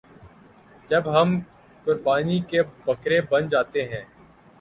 جب ہم قربانی کے بکرے بن جاتے ہیں۔